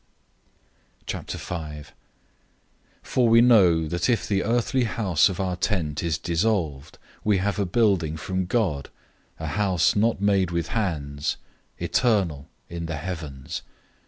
005:001 For we know that if the earthly house of our tent is dissolved, we have a building from God, a house not made with hands, eternal, in the heavens.